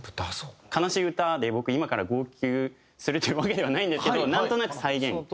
悲しい歌で僕今から号泣するというわけではないんですけどなんとなく再現なんですけど。